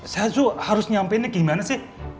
saya zu harus nyampeinnya gimana sih